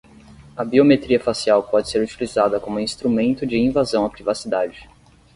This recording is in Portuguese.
A biometria facial pode ser utilizada como instrumento de invasão à privacidade